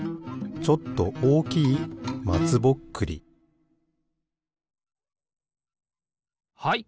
ちょっとおおきいまつぼっくりはい